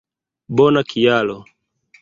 Bona kialo